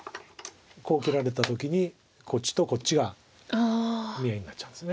こう切られた時にこっちとこっちが見合いになっちゃうんです。